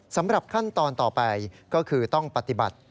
สำหรับขั้นตอนต่อไปก็คือต้องปฏิบัติ